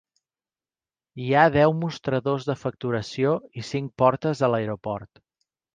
Hi ha deu mostradors de facturació i cinc portes a l"aeroport.